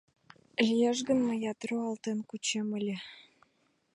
— Лиеш гын, мыят руалтен кучем ыле...